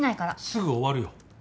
すぐ終わるよ。